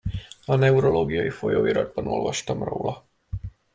A neurológiai folyóiratban olvastam róla.